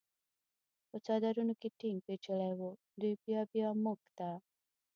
په څادرونو کې ټینګ پېچلي و، دوی بیا بیا موږ ته.